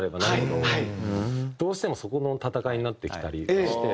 どうしてもそこの闘いになってきたりして。